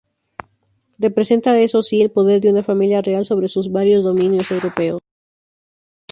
Representa, eso sí, el poder de una familia real sobre sus varios dominios europeos.